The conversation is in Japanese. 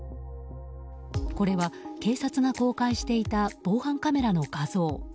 これは警察が公開していた防犯カメラの画像。